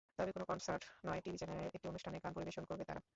তবে কোনো কনসার্ট নয়, টিভি চ্যানেলের একটি অনুষ্ঠানে গান পরিবেশন করবে তারা।